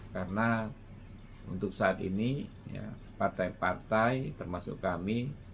karena untuk saat ini partai partai termasuk kami